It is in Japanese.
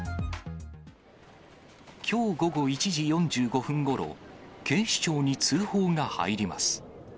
きょう午後１時４５分ごろ、警視庁に通報が入ります。